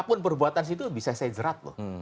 apapun perbuatan situ bisa saya jerat loh